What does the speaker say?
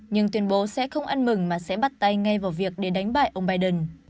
nhưng tuyên bố sẽ không ăn mừng mà sẽ bắt tay ngay vào việc để đánh bại ông biden